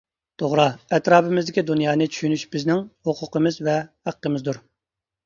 توغرا، ئەتراپىمىزدىكى دۇنيانى چۈشىنىش بىزنىڭ ھوقۇقىمىز ۋە ھەققىمىزدۇر.